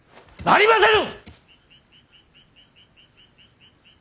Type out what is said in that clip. なりませぬ！